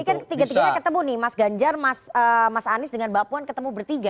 ini kan ketiga tiganya ketemu nih mas ganjar mas anies dengan mbak puan ketemu bertiga